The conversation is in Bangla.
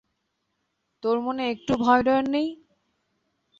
তোর মনে একটুও ভয়ডর নেই?